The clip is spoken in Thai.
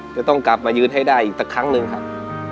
จะต้องกลับมายืนให้ได้อีกสักครั้งหนึ่งครับ